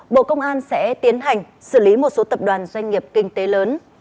bộ công an sẽ tiến hành xử lý một số tập đoàn doanh nghiệp kinh tế lớn